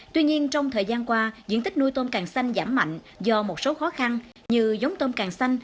tuy nhiên trong thời gian qua diện tích nuôi tôm càng xanh giảm mạnh do một số khó khăn như giống tôm càng xanh